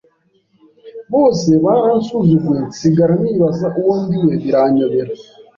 bose baransuzuguye nsigara nibaza uwo ndi we biranyobera